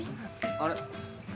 あれ。